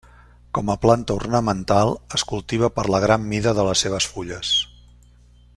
Com a planta ornamental es cultiva per la gran mida de les seves fulles.